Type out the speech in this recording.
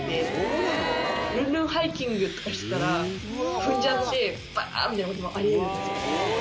ルンルンハイキングとかしてたら踏んじゃってバーッ！みたいな事もあり得るんです。